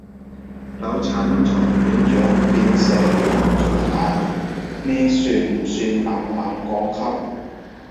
老陳從院長變成學長啊，呢算不算猛猛降級